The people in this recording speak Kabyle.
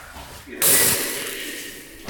Yelha-yak i kečči.